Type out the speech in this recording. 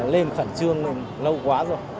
lên phần trường lâu quá rồi